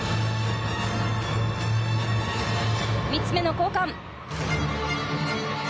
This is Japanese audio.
３つ目の交換。